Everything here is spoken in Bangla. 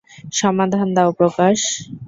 সমাধান দাও, প্রকাশ।